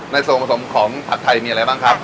ในส่วนผสมของผัดไทยมีอะไรบ้างครับ